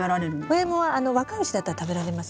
親イモは若いうちだったら食べられます。